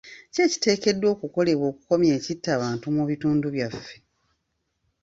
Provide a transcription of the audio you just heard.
Ki ekiteekeddwa okukolebwa okukomya ekitta bantu mu bitundu byaffe?